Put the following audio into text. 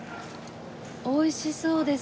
おいしそうです。